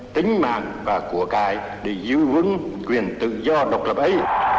tính mạng và của cái để giữ vững quyền tự do độc lập ấy